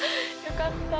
よかった。